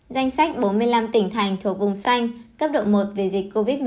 danh sách bốn mươi năm tỉnh thành thuộc vùng xanh cấp độ một về dịch covid một mươi chín